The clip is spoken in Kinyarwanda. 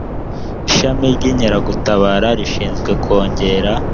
ishami ry inkeragutabara rishinzwe kongera